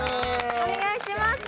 お願いします。